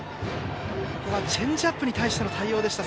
ここはチェンジアップに対しての対応でした。